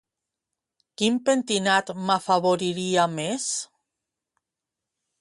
Quin pentinat m'afavoriria més?